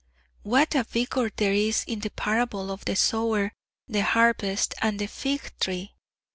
(What vigour there is in the parable of the sower, the harvest, and the fig tree!)